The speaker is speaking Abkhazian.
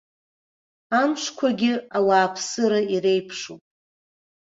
Амшқәагьы ауааԥсыра иреиԥшуп.